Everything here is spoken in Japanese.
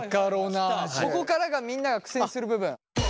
ここからがみんなが苦戦する部分。